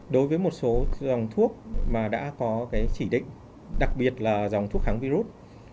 đối với một số dòng thuốc mà đã có chỉ định đặc biệt là dòng thuốc kháng virus